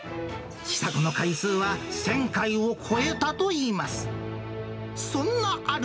試作の回数は１０００回を超えたといいます。